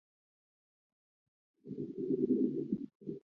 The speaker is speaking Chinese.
沃地区比雷。